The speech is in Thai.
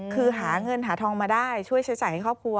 คือหาเงินหาทองมาได้ช่วยใช้จ่ายให้ครอบครัว